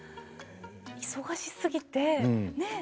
忙しすぎてねえ